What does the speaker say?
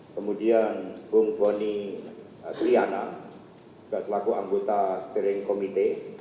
kemudian bung boni triana juga selaku anggota steering committee